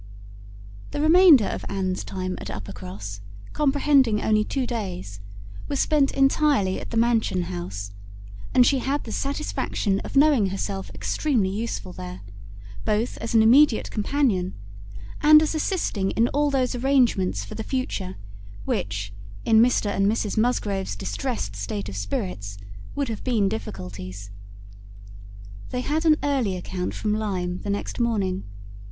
The remainder of Anne's time at Uppercross, comprehending only two days, was spent entirely at the Mansion House; and she had the satisfaction of knowing herself extremely useful there, both as an immediate companion, and as assisting in all those arrangements for the future, which, in Mr and Mrs Musgrove's distressed state of spirits, would have been difficulties. They had an early account from Lyme the next morning.